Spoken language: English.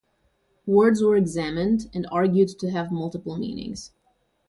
Words were examined and argued to have multiple meanings.